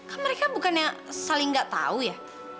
kan mereka bukan yang saling nggak tahu ya